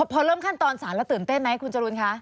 พอเริ่มขั้นตอนสารแล้วตื่นเต้นไหมคุณจรูนคะ